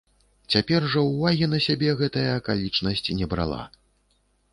Цяпер жа ўвагі на сябе гэтая акалічнасць не брала.